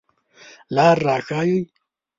لار را ښایئ